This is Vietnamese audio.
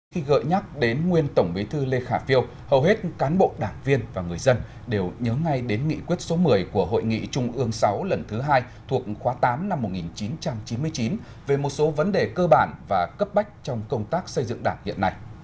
khi gợi nhắc đến nguyên tổng bí thư lê khả phiêu hầu hết cán bộ đảng viên và người dân đều nhớ ngay đến nghị quyết số một mươi của hội nghị trung ương sáu lần thứ hai thuộc khóa tám năm một nghìn chín trăm chín mươi chín về một số vấn đề cơ bản và cấp bách trong công tác xây dựng đảng hiện nay